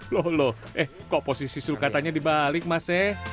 loh loh kok posisi sulkatanya dibalik mas